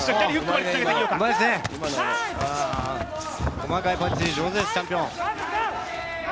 細かいパンチ上手です、チャンピオン。